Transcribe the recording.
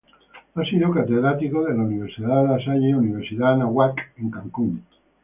Ha sido Catedrático la Universidad La Salle y Universidad Anáhuac en Cancún.